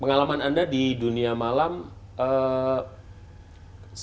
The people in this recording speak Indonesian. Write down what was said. pengalaman anda di dunia malam